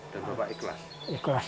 dan bapak ikhlas